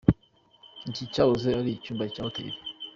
Iki cyahoze ari icyumba cya Hotel.